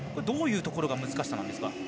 どういうところが難しさなんですか。